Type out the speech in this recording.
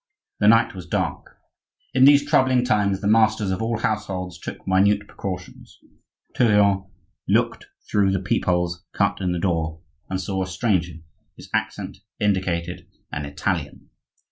The night was dark. In these troublous times the masters of all households took minute precautions. Tourillon looked through the peep holes cut in the door, and saw a stranger, whose accent indicated an Italian.